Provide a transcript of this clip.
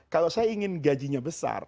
kalau saya ingin gajinya besar